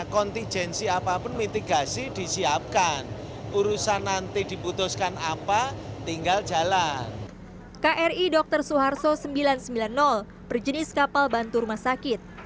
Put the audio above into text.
kri dr suharto sembilan ratus sembilan puluh berjenis kapal bantu rumah sakit